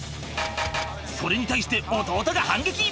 それに対して弟が反撃！